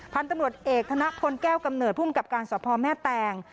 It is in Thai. พันธุ์ตำรวจเอกธนพลแก้วกำเนิดภูมิกับการสพแม่แตง